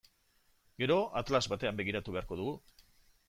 Gero atlas batean begiratu beharko dugu.